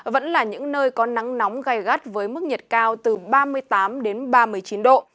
vẫn là những nơi có nắng nóng gai gắt với mức nhiệt cao từ ba mươi tám đến ba mươi chín độ